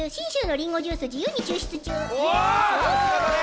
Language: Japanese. さすがだね。